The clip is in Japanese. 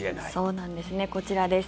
そうなんですねこちらです。